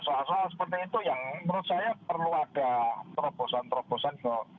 soal soal seperti itu yang menurut saya perlu ada terobosan terobosan ke